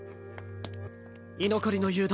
居残りの誘導！